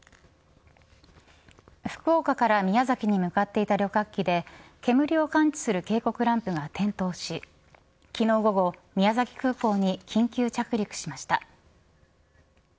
福岡から宮崎に向かっていた旅客機で煙を感知する警告ランプが点灯し昨日午後宮崎空港に緊急着陸しました。